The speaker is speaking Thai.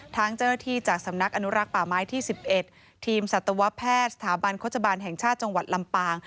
ทั้งเจ้าหน้าที่จากสำนักอนุรักษ์ป่าไม้ที่๑๑ทีมสัตวแพทย์สถาบันโฆษบาลแห่งชาติจังหวัดลำปาง